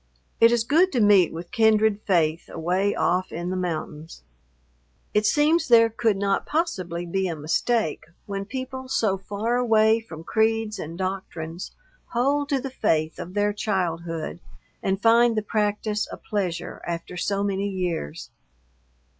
It is good to meet with kindred faith away off in the mountains. It seems there could not possibly be a mistake when people so far away from creeds and doctrines hold to the faith of their childhood and find the practice a pleasure after so many years.